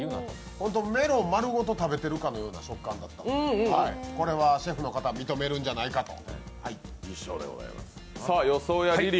メロン丸ごと食べてるかのような食感だったのでこれはシェフの方、認めるんじゃないかと。